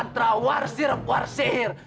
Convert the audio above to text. mantra war sirap war sihir